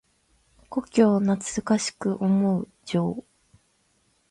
故郷を懐かしく思う情。